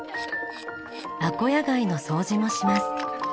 アコヤガイの掃除もします。